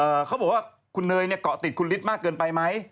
เขาบอกว่าคุณเนยเนี่ยเกาะติดคุณฤทธิ์มากเกินไปไหม